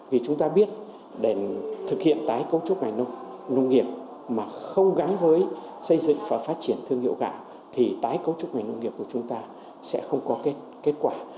vì chúng ta biết để thực hiện tái cấu trúc ngành nông nghiệp mà không gắn với xây dựng và phát triển thương hiệu gạo thì tái cấu trúc ngành nông nghiệp của chúng ta sẽ không có kết quả